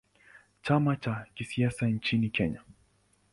Chama cha kisiasa nchini Kenya.